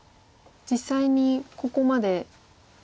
実際にここまで。